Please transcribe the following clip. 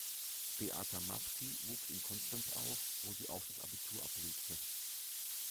Beata Marti wuchs in Konstanz auf, wo sie auch das Abitur ablegte.